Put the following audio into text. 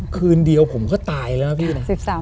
คืนเดียวผมก็ตายแล้วนะพี่นะ